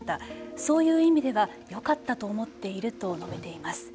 そういう意味ではよかったと思っていると述べています。